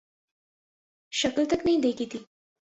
شکل تک نہیں دیکھی تھی